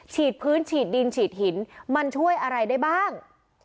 ฉีดพื้นฉีดดินฉีดหินมันช่วยอะไรได้บ้าง